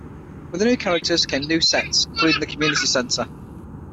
With the new characters came new sets, including the community centre.